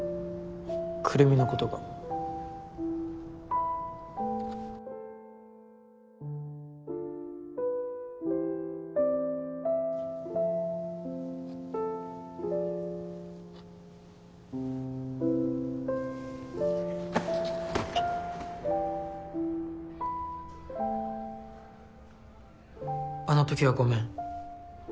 くるみのことがあの時はごめん。